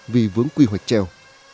vì vướng quy hoạch treo